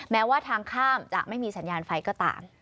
แม้ว่าทางข้ามจะไม่มีสัญญาณไฟก็ตาม